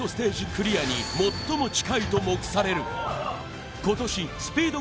クリアに最も近いと目される今年スピード